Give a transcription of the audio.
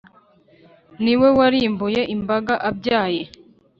Niwe warimbuye imbaga abyaye